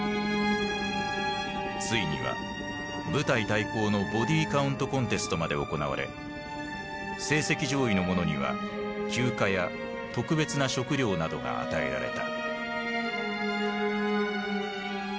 ついには部隊対抗の「ボディカウント・コンテスト」まで行われ成績上位の者には休暇や特別な食料などが与えられた。